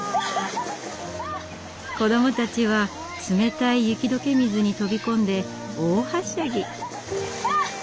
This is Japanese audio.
子どもたちは冷たい雪解け水に飛び込んで大はしゃぎ。